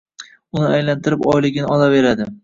Uni aylantirib oyligini olaveradi.